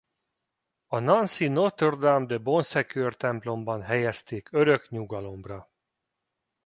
A nancyi Notre-Dame-de-Bonsecours templomban helyezték örök nyugalomra.